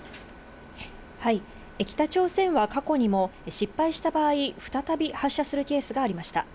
北朝鮮は過去にも失敗した場合、再び発射するケースがありました。